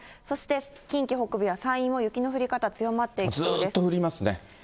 そして近畿北部や山陰も雪の降り方、ずっと降りますね。